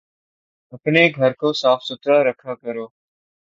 اپنے گھر کو صاف ستھرا رکھا کرو